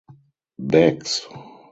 Beggs.